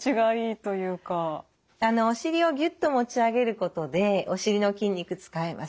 お尻をギュッと持ち上げることでお尻の筋肉使えます。